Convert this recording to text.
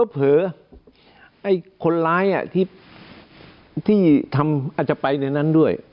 เผลอคนร้ายที่ทำอาจจะไปในนั้นด้วย